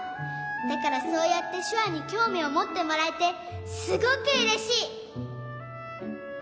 だからそうやってしゅわにきょうみをもってもらえてすごくうれしい！